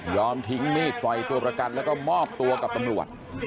ทิ้งมีดปล่อยตัวประกันแล้วก็มอบตัวกับตำรวจ